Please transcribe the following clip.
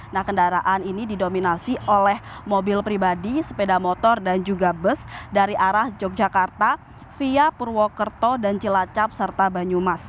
nah kendaraan ini didominasi oleh mobil pribadi sepeda motor dan juga bus dari arah yogyakarta via purwokerto dan cilacap serta banyumas